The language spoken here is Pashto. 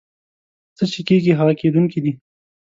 څه چې کېږي هغه کېدونکي دي.